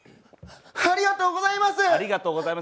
ありがとうございます！